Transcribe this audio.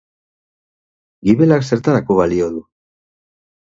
Gibelak zertarako balio du?